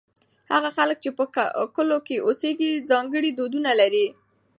هغه خلک چې په کلو کې اوسېږي ځانګړي دودونه لري.